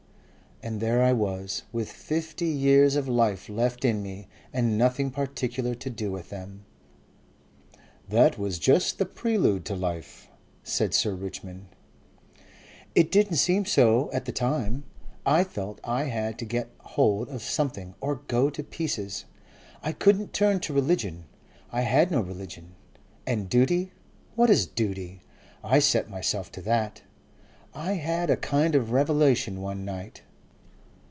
And there I was, with fifty years of life left in me and nothing particular to do with them." "That was just the prelude to life, said Sir Richmond. "It didn't seem so at the time. I felt I had to got hold of something or go to pieces. I couldn't turn to religion. I had no religion. And Duty? What is Duty? I set myself to that. I had a kind of revelation one night.